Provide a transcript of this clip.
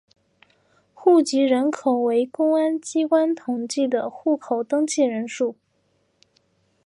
户籍人口为公安机关统计的户口登记人数。